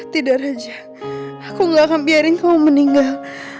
tidak raja aku gak akan biarin kamu meninggal